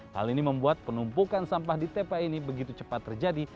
hal ini membuat penumpukan sampah di tpa ini begitu cepat terjadi